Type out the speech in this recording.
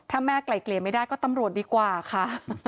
ถ้าแม่ไกล่เกลี่ยไม่ได้ก็ตำรวจดีกว่าค่ะ